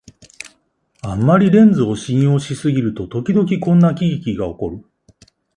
あんまりレンズを信用しすぎると、ときどきこんな喜劇がおこる